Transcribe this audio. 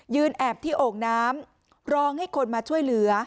แอบที่โอ่งน้ำร้องให้คนมาช่วยเหลือ